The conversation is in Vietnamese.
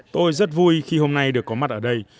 tôi rất vui khi hôm nay được có mặt ở đây